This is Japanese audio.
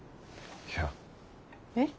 いや。えっ？